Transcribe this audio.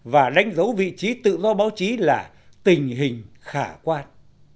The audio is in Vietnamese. và đánh dấu vị trí tự do báo chí là tình hình khả quan